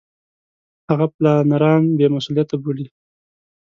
هغه پلانران بې مسولیته بولي.